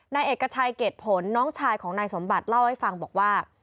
นายเอกชัยเกรดผลน้องชายของนายสมบัติเล่าให้ฟังบอกว่า